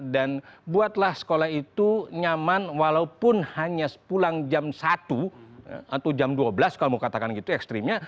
dan buatlah sekolah itu nyaman walaupun hanya pulang jam satu atau jam dua belas kalau mau katakan gitu ekstrimnya